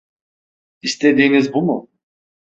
İstediğiniz bu mu?